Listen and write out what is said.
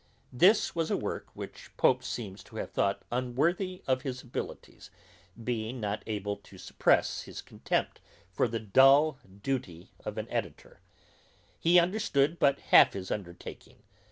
This was a work which Pope seems to have thought unworthy of his abilities, being not able to suppress his contempt of the dull duty of an editor. He understood but half his undertaking.